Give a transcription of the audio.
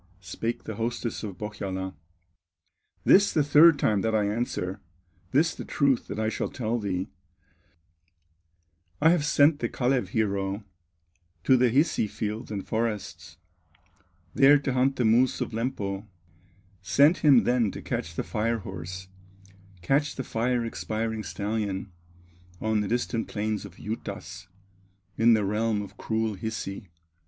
Spake the hostess of Pohyola: "This the third time that I answer, This the truth that I shall tell thee: I have sent the Kalew hero To the Hisi fields and forests, There to hunt the moose of Lempo; Sent him then to catch the fire horse, Catch the fire expiring stallion, On the distant plains of Juutas, In the realm of cruel Hisi.